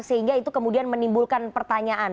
sehingga itu kemudian menimbulkan pertanyaan